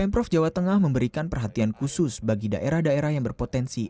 pemprov jawa tengah memberikan perhatian khusus bagi daerah daerah yang berpotensi